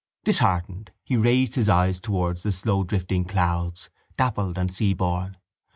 Disheartened, he raised his eyes towards the slowdrifting clouds, dappled and seaborne.